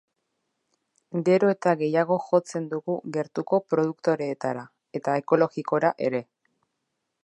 Gero eta gehiago jotzen dugu gertuko produktoreetara eta ekologikora ere.